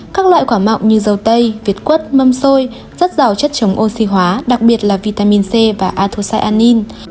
các loại quả mọng như dầu tây việt quất mâm xôi rất giàu chất chống oxy hóa đặc biệt là vitamin c và athosai anin